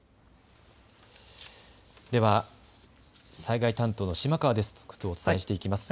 では、災害担当の島川デスクとお伝えしていきます。